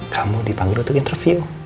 kamu dipanggil untuk interview